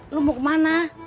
lo mau kemana